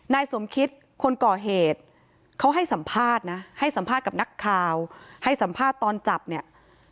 นายสมคิดคนก่อเหตุเขาให้สัมภาษณ์นะให้สัมภาษณ์กับนักข่าวให้สัมภาษณ์ตอนจับเนี่ย